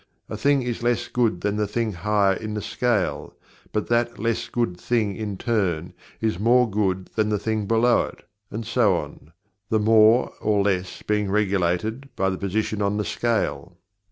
A thing is "less good" than the thing higher in the scale; but that "less good" thing, in turn, is "more good" than the thing next below it and so on, the "more or less" being regulated by the position on the scale.